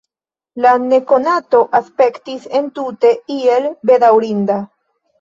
La nekonato aspektis entute iel bedaŭrinda.